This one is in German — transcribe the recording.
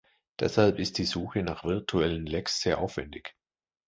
Deshalb ist die Suche nach virtuellen Lecks sehr aufwendig.